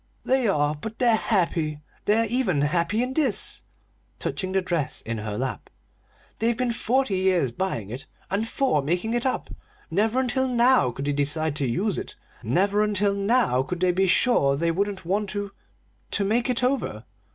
"They are but they're happy. They're even happy in this!" touching the dress in her lap. "They've been forty years buying it, and four making it up. Never until now could they decide to use it; never until now could they be sure they wouldn't want to to make it over."